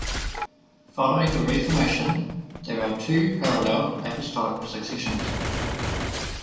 Following the Reformation, there are two parallel apostolic successions.